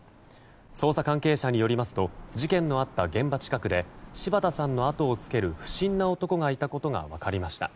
捜査関係者によりますと事件のあった現場近くで柴田さんのあとをつける不審な男がいたことが分かりました。